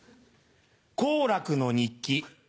好楽の日記。